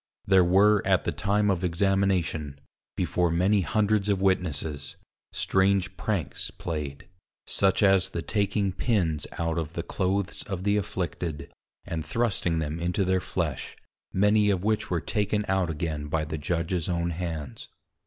There were at the time of Examination, before many hundreds of Witnesses, strange Pranks play'd; such as the taking Pins out of the Clothes of the afflicted, and thrusting them into their flesh, many of which were taken out again by the Judges own hands.